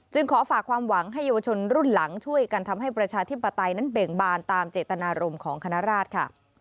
ขอฝากความหวังให้เยาวชนรุ่นหลังช่วยกันทำให้ประชาธิปไตยนั้นเบ่งบานตามเจตนารมณ์ของคณราชค่ะ